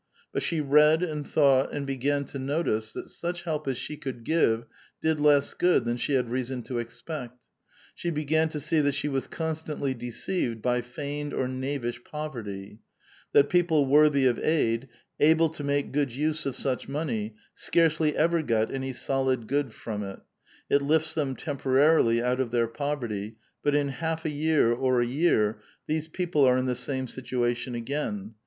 But she read and thought and began to notice that such help as she could give did less good than she had reason to expect. She began to see that she wjis constantl}* deceived by feigned or knavish poverty ; that people worthy of aid, able to make good use of such money, scarcely ever got any solid good from it ; it lifts them temporarily out of their poverty, but in half a year or a year these people are in the same situation again.